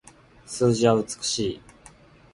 数字は美しい